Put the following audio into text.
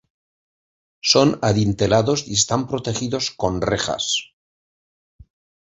Son adintelados y están protegidos con rejas.